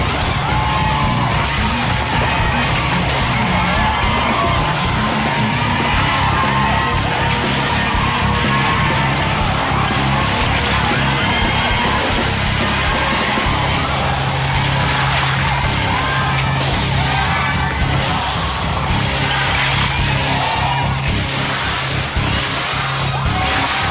หมดเวลาแล้ว